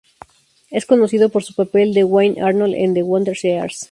Es conocido por su papel de "Wayne Arnold" en "The Wonder Years".